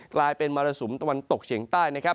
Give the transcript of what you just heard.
กลายเป็นมรสุมตะวันตกเฉียงใต้นะครับ